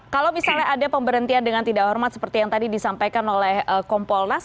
kalau misalnya ada pemberhentian dengan tidak hormat seperti yang tadi disampaikan oleh kompolnas